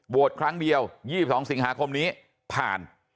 ครั้งเดียว๒๒สิงหาคมนี้ผ่าน